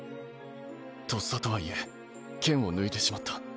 とっさとはいえ剣を抜いてしまった。